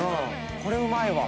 これうまいわ。